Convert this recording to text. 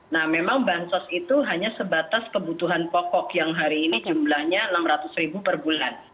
nah memang bansos itu hanya sebatas kebutuhan pokok yang hari ini jumlahnya enam ratus per bulan